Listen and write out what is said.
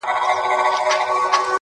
سیاه پوسي ده، رنگونه نسته.